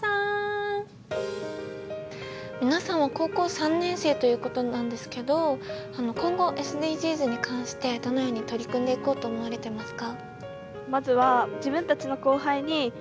皆さんは高校３年生ということなんですけど今後ＳＤＧｓに関してどのように取り組んでいこうと思われてますか？